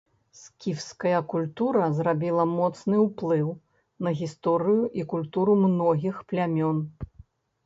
Скіфская культура зрабіла моцны ўплыў на гісторыю і культуру многіх плямён.